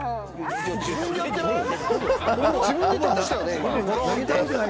自分でやってない？